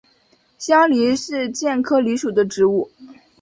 香藜是苋科藜属的植物。